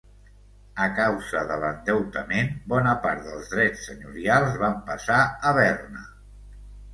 A causa de l'endeutament bona part dels drets senyorials van passar a Berna.